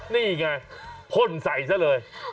นี่ไงพ่นใส่ซะเลย